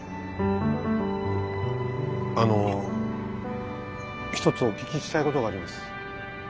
あの１つお聞きしたいことがあります。